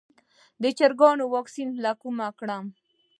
د چرګانو واکسین له کومه کړم؟